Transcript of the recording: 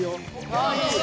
ああいい。